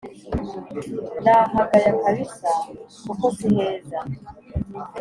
nahagaya kabisa kuko siheza